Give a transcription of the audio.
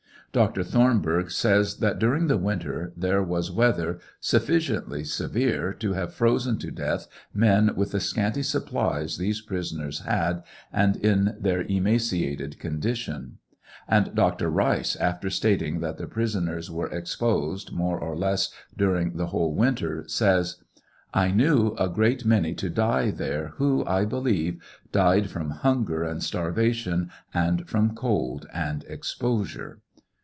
Dr. Thornbnrgh says that during the winter there was weather sufficiently severe to have frozen to death men with the scanty supplies these prisoners had and in their emaciated con dition ; and Dr. Rice, after stating that the prisoners were exposed, more or less, during the whole winter, says : I knew a great many to die there, who, I believe, died from hanger and starvation, and from cold and exposure.